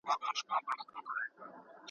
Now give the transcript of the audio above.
ټولنیز واقیعت د ټولنیزو اړیکو بڼه ټاکي.